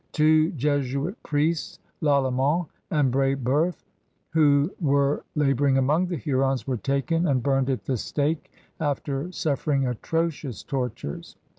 Two Jesuit priests, LaJemant and Br6beuf , who were laboring among the Hurons, were taken and burned at the stake after suffering atrocious tortures.